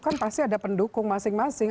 kan pasti ada pendukung masing masing